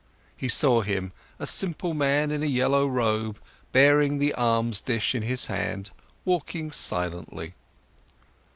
He saw him, a simple man in a yellow robe, bearing the alms dish in his hand, walking silently.